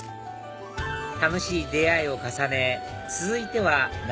楽しい出会いを重ね続いては仲